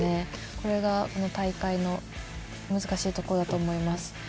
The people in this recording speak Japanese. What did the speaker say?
これが大会の難しいところだと思います。